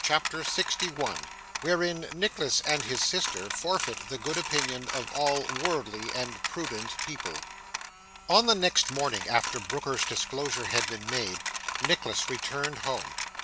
CHAPTER 61 Wherein Nicholas and his Sister forfeit the good Opinion of all worldly and prudent People On the next morning after Brooker's disclosure had been made, Nicholas returned home.